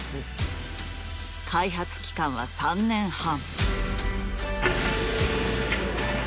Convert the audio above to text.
開発期間は３年半。